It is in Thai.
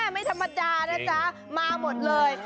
ไม่ธรรมดานะจ๊ะมาหมดเลย